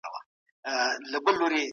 ما اورېدلي چي اقتصاد د ټولني ستني دي.